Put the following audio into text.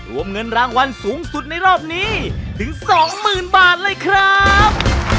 รวมเงินรางวัลสูงสุดในรอบนี้ถึง๒๐๐๐บาทเลยครับ